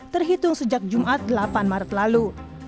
terhitung sejak jumat delapan maret lalu